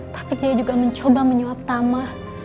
tapi dia juga mencoba menyuap tama